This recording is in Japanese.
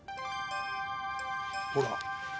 ほら。